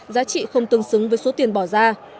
giá trị không tương xứng với số tiền bỏ ra